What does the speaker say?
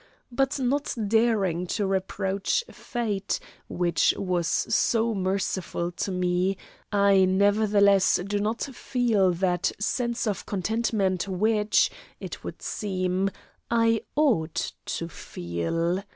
But not daring to reproach fate which was so merciful to me, I nevertheless do not feel that sense of contentment which, it would seem, I ought to feel.